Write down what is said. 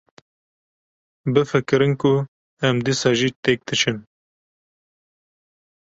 Bifikirin ku em dîsa jî têk diçin.